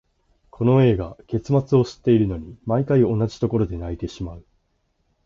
この映画、結末を知っているのに、毎回同じところで泣いてしまう。